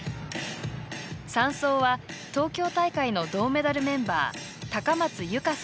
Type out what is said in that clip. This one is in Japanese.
３走は東京大会の銅メダルメンバー高松佑圭選手。